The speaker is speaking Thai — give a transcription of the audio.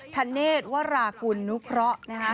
ธเนตวรากุลนุเคราะห์